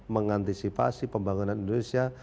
mengantisipasi pembangunan indonesia